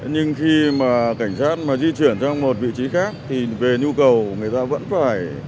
nhưng khi cảnh sát di chuyển sang một vị trí khác thì về nhu cầu người ta vẫn phải